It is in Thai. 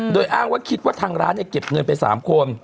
โดยอ้างว่าคิดว่าทางร้านเก็บเงินไป๓คน